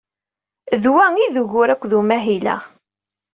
D wa i d ugur akked umahil-a.